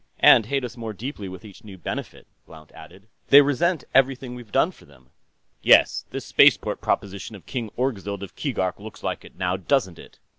"And hate us more deeply with each new benefit," Blount added. "They resent everything we've done for them." "Yes, this spaceport proposition of King Orgzild of Keegark looks like it, now doesn't it?"